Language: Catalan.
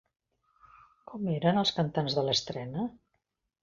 Com eren els cantants de l'estrena?